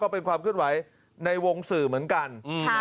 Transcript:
ก็เป็นความขึ้นไหวในวงสื่อเหมือนกัน